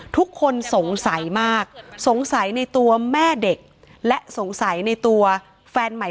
ทุกคนสงสัยมากสงสัยในตัวแม่เด็กและสงสัยในตัวแฟนใหม่